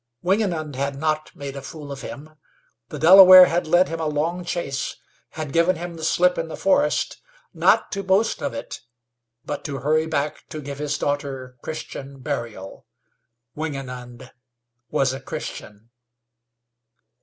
Wingenund had not made a fool of him. The Delaware had led him a long chase, had given him the slip in the forest, not to boast of it, but to hurry back to give his daughter Christian burial. Wingenund was a Christian!